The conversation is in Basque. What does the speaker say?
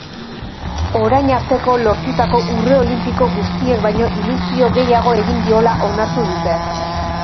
Orain arteko lortutako urre olinpiko guztiek baino ilusio gehiago egin diola onartu dute.